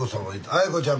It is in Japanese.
愛子ちゃん